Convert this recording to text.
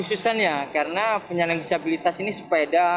kesusan ya karena penyandang disabilitas ini sepeda